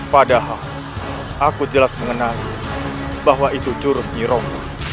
padahal aku jelas mengenali bahwa itu jurus nyerong